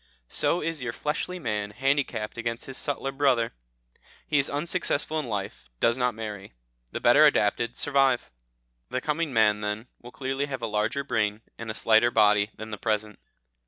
So is your fleshly man handicapped against his subtler brother. He is unsuccessful in life, does not marry. The better adapted survive." The coming man, then, will clearly have a larger brain, and a slighter body than the present.